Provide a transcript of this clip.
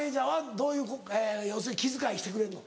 どういう要するに気遣いしてくれるの？